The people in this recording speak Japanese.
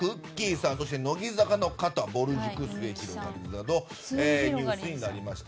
さんそして乃木坂の方ぼる塾、すゑひろがりずなどニュースになりました。